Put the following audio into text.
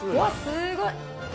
すごい！